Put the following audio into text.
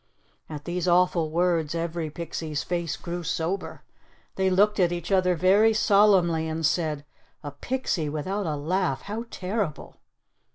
At these awful words every pixie's face grew sober. They looked at each other very solemnly and said, "A pixie without a laugh! How terrible!"